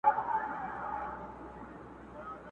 خدای درکړی لوړ قامت او تنه پلنه،